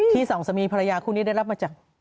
สองสามีภรรยาคู่นี้ได้รับมาจาก